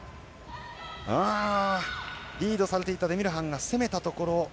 リードされていたデミルハンが攻めたところ。